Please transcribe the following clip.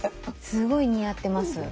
すごい似合ってます。